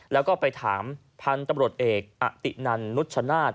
แล้วก็ไปถามพันธุ์ตำรวจเอกอตินันนุชชนาธิ